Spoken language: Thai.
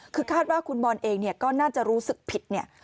คือคาดว่าคุณบอลเองเนี่ยก็น่าจะรู้สึกผิดเนี่ย